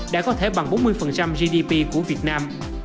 đã có thể bằng bốn mươi gdp của việt nam